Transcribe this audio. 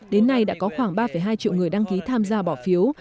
đến nay đã có khoảng ba hai triệu người đăng ký tham gia bỏ phiếu